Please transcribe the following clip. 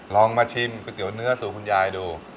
ลองมาชิมก๋วยเตี๋ยวเนื้อสูตรคุณยายดู